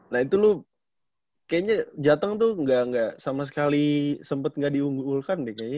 nah itu lu kayaknya jateng tuh gak sama sekali sempet gak diunggulkan deh kayaknya